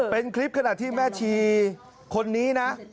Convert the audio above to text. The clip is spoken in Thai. เป็นคลิปขณะที่แม่ชีคนนี้นะ